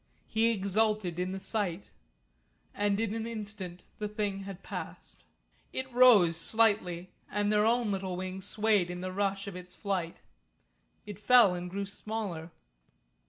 He exulted in the sight. And in an instant the thing had passed. It rose slightly and their own little wings swayed in the rush of its flight. It fell and grew smaller.